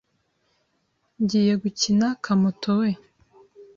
ngiye gukina kamoto we